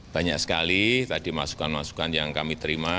banyak sekali tadi masukan masukan yang kami terima